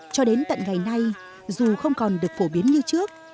cho đến tận ngày nay dù không còn được phổ biến như trước